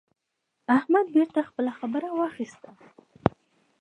احمد بېرته خپله خبره واخيسته.